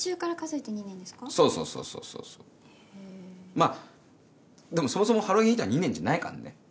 まぁでもそもそもハロゲンヒーターは２年じゃないからね。